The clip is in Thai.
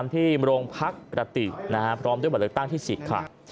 ที่โรงพักฤติพร้อมด้วยบัตรเลือกตั้งที่สิทธิ์ค่ะ